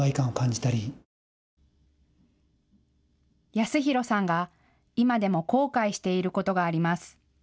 康弘さんが今でも後悔していることがあります。